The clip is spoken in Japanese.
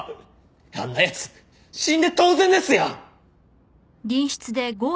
あんな奴死んで当然ですよ！